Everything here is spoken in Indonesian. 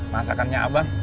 masakannya abang enak